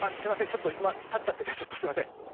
ちょっと今たっちゃっててちょっとすいません。